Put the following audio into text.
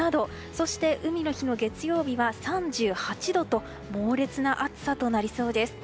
そして海の日の月曜日は３８度と猛烈な暑さとなりそうです。